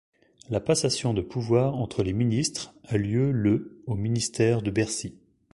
La passation de pouvoir entre les ministres a lieu le au ministère de Bercy.